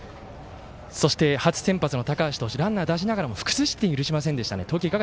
そして、初先発の高橋複数ランナー出しながらも得点許しませんでしたね。